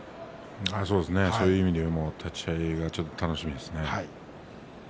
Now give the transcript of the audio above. そういう意味では立ち合いがちょっと楽しみですね。